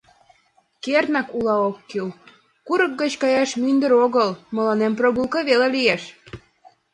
Кернак ула ок кӱл: курык гоч каяш мӱндыр огыл, мыланем прогулка веле лиеш.